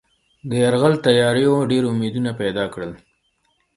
د یرغل تیاریو ډېر امیدونه پیدا کړل.